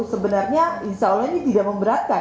sebenarnya insya allah ini tidak memberatkan